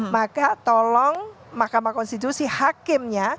maka tolong mahkamah konstitusi hakimnya